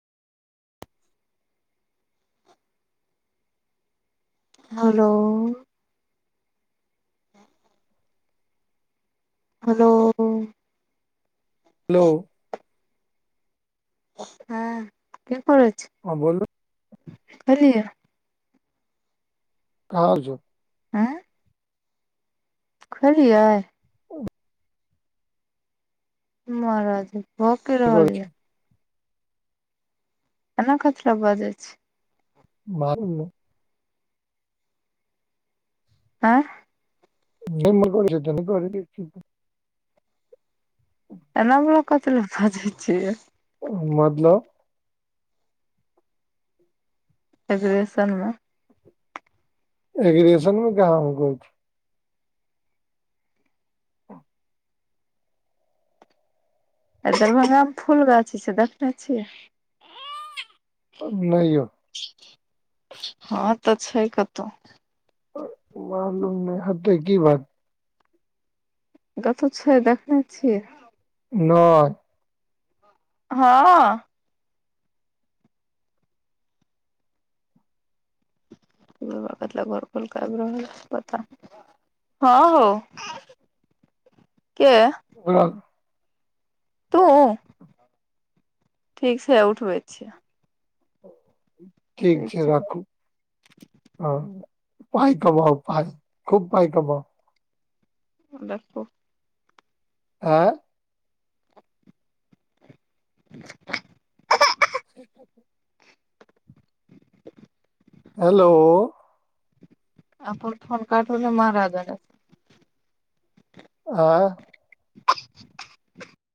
हलो hello hello हँ केकर [unintelligible] छै। हँ बोलू खेलिये। और जो आँय खेलियै। ओ महाराज भऽ की रहल करै छी या? अना कथि लेए बजै छी। मालूम नै आँय निम घ छै कर [inaudible] एना बला कत ल भजै छियै। मतलब एजुएशनमे एगगेशन मे कहाँ ह कुछ आ दरभंगा मे फूल गाछी छै, देखने छी। अब नई यौ हँ तऽ, छै कतहु मालूम नय हतै की बात कतहु छय, देखने छियै। नओइ हँअ इ बुरहबा कथित लै घर खोइल क आइब रहल छै, पता नै, हँ हो। के खलहक तुअ ठीक सै उठबै छियै। ठीक छै राखू हं पाय कमाउ पाय खूब पाय कमाउ देखु आँ अहा - अहा ठीके छै [inaudible] हेलो अपन फोन काटू ने महाराज आगा से आँ